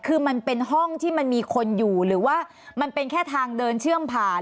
คือมันเป็นห้องที่มันมีคนอยู่หรือว่ามันเป็นแค่ทางเดินเชื่อมผ่าน